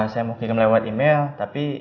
saya mau kirim lewat email tapi